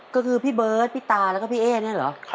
ก็คือพี่เบิร์ตพี่ตาแล้วก็พี่เอ๊เนี่ยเหรอ